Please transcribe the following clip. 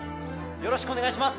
よろしくお願いします！